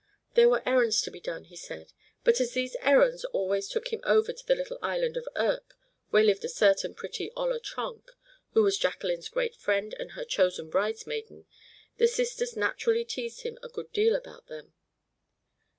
There were errands to be done, he said, but as these "errands" always took him over to the little island of Urk, where lived a certain pretty Olla Tronk, who was Jacqueline's great friend and her chosen bridesmaiden, the sisters naturally teased him a good deal about them.